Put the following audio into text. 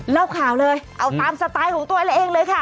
เล่าข่าวเลยเอาตามสไตล์ของตัวเองเลยค่ะ